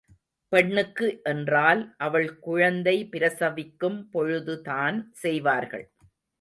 பெண்ணுக்கு என்றால் அவள் குழந்தை பிரசவிக்கும் பொழுதுதான் செய்வார்கள்.